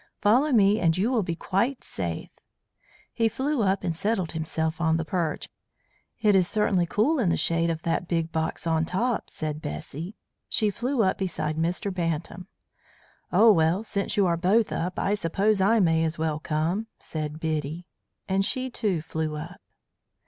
Follow me and you will be quite safe." He flew up and settled himself on the perch. "It is certainly cool in the shade of that big box on top," said Bessy. She flew up beside Mr. Bantam. "Oh, well, since you are both up, I suppose I may as well come," said Biddy, and she too flew up.